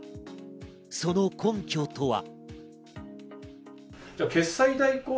その根拠とは。